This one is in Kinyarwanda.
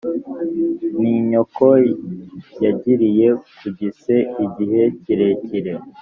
ni nyoko yagiriye ku gise igihe kirekire